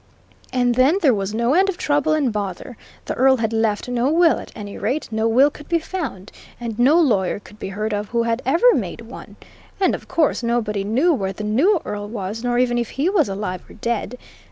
And then there was no end of trouble and bother. The Earl had left no will; at any rate, no will could be found, and no lawyer could be heard of who had ever made one. And of course, nobody knew where the new Earl was, nor even if he was alive or dead.